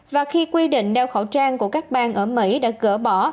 và khi quy định đeo khẩu trang của các bang ở mỹ đã gỡ bỏ